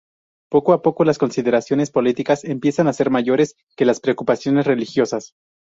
Poco a poco, las consideraciones políticas empiezan a ser mayores que las preocupaciones religiosas.